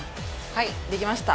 はいできました。